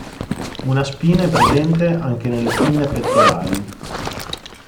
Una spina è presente anche nelle pinne pettorali.